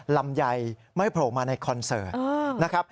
ลำไยไม่โผล่มาในคอนเสิร์ตนะครับ